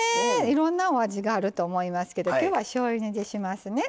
いろんなお味があると思いますけど今日はしょうゆ煮にしますね。